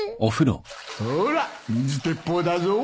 ほら水鉄砲だぞ。